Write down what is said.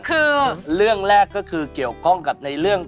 คือเรื่องแรกก็คือเกี่ยวกับคู่แข่ง